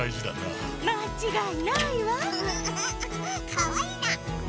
かわいいな！